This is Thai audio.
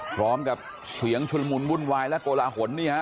พร้อมกับเสียงชุลมุนวุ่นวายและโกลาหล